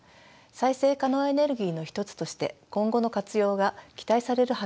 再生可能エネルギーのひとつとして今後の活用が期待される発電方法です。